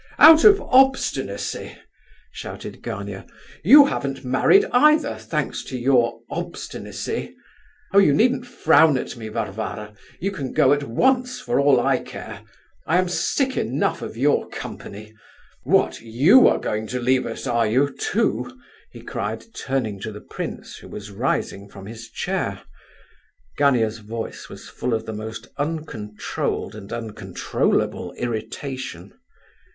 "Out of obstinacy" shouted Gania. "You haven't married, either, thanks to your obstinacy. Oh, you needn't frown at me, Varvara! You can go at once for all I care; I am sick enough of your company. What, you are going to leave us are you, too?" he cried, turning to the prince, who was rising from his chair. Gania's voice was full of the most uncontrolled and uncontrollable irritation.